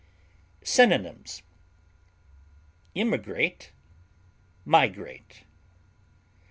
Synonyms: immigrate, migrate.